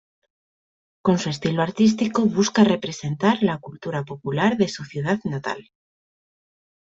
Con su estilo artístico busca representar la cultura popular de su ciudad natal.